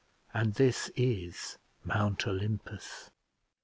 and this is Mount Olympus!